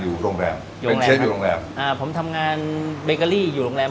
อยู่โรงแรมอยู่โรงแรมอยู่โรงแรมอ่าผมทำงานอยู่โรงแรม